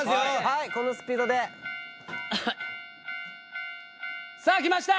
はいこのスピードでさあきました！